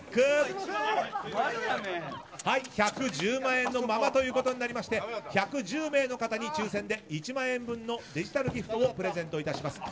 １１０万円のままとなりまして１１０名の方に抽選で１万円分のデジタルギフトをプレゼントいたします。